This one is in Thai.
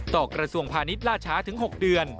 กระทรวงพาณิชย์ล่าช้าถึง๖เดือน